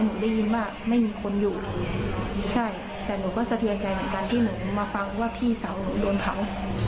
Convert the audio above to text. หนูได้ยินว่าไม่มีคนอยู่ใช่แต่หนูก็สะเทือนใจเหมือนกันที่หนูมาฟังว่าพี่สาวหนูโดนเผา